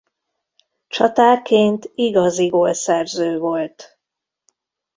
Csatárként igazi gólszerző volt.